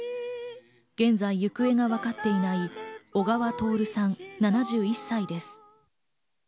現在行方が分かっていない小川徹さん、７１歳です。